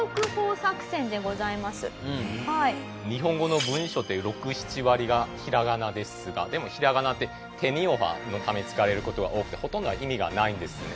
日本語の文章って６７割がひらがなですがでもひらがなって「てにをは」のために使われる事が多くてほとんどは意味がないんですね。